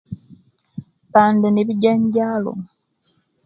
Bando nebi janjalo